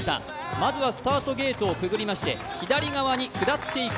まずはスタートゲートをくぐりまして、左側に下っていく。